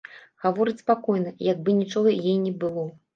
Гаворыць спакойна, як бы нічога й не было.